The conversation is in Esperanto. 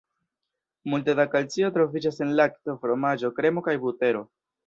Multe da kalcio troviĝas en lakto, fromaĝo, kremo kaj butero.